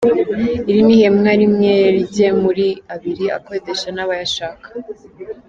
Iri ni ihema rimwe rye muri abiri akodesha n’abayashaka.